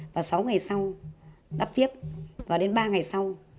và sáu ngày sau đáp tiếp và đến ba ngày sau